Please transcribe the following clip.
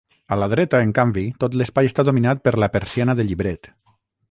A la dreta en canvi, tot l'espai està dominat per la persiana de llibret.